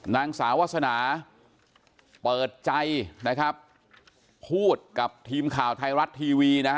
นางสาวาสนาเปิดใจพูดกับทีมข่าวไทยรัฐทีวี